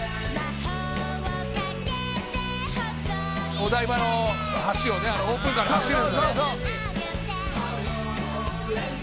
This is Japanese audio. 「お台場の橋をオープンカーで走る」